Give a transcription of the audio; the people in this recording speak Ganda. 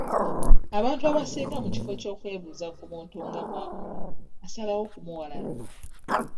Abantu abasinga mu kifo ky'okwebuuza ku muntu nga bw'akola asalawo kumuwalana.